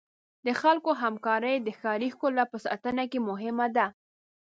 د خلکو همکاري د ښاري ښکلا په ساتنه کې مهمه ده.